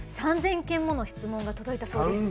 ３，０００件もの質問が届いたそうです。